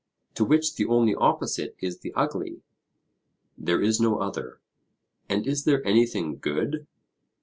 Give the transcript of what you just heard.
To which the only opposite is the ugly? There is no other. And is there anything good?